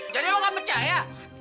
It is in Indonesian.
jadi lo gak percaya